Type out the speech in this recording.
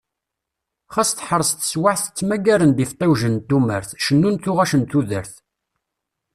Xas teḥṛes teswaɛt ttmagaren-d ifeṭṭiwjen n tumert, cennun tuɣac n tudert.